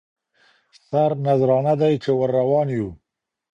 سرنذرانه دی چي ور روان یو